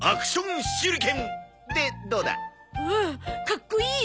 かっこいい！